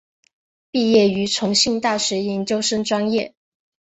毕业于重庆大学研究生专业。